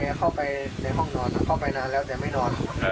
เข้าไปในห้องนอนเข้าไปนานแล้วแต่ไม่นอน